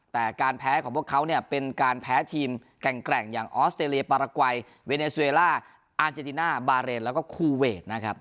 แต่การแพ้ของพวกเขาเนี่ยเป็นการแพ้ทีมแกร่งอย่างออสเตรเลียปารกวัยเวเนสเวล่าอาร์เจติน่าบาเรนแล้วก็คูเวทนะครับ